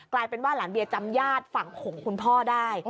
กลายเป็นว่าหลานเบียจำญาติฝั่งของคุณพ่อได้